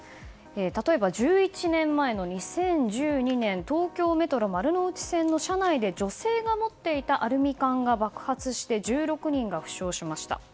例えば、１１年前の２０１２年東京メトロ丸ノ内線の車内で女性が持っていたアルミ缶が爆発して１６人が負傷しました。